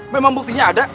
memang buktinya ada